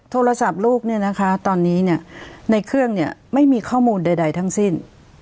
โทรศัพท์ลูกเนี่ยนะคะตอนนี้ในเครื่องเนี่ยไม่มีข้อมูลใดทั้งสิ้น